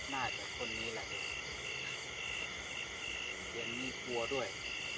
น่าจะคนนี้แหละยังมีกลัวด้วย